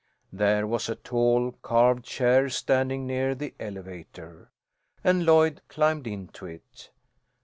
There was a tall, carved chair standing near the elevator, and Lloyd climbed into it.